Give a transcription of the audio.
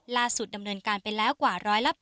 ล่าสุดดำเนินการเป็นแล้วกว่า๑๘๐